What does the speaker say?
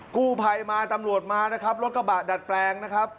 กู้ภัยมาตำรวจมานะครับรถกระบะดัดแปลงนะครับ